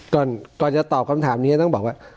ก่อนจะตอบคำถามนี้ต้องบอกว่า